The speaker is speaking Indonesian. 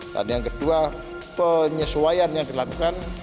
dan yang kedua penyesuaian yang dilakukan